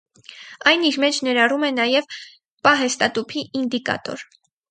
Այն իր մեջ ներառում է նաև պահեստատուփի ինդիկատոր։